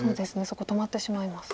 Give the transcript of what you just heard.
そこ止まってしまいます。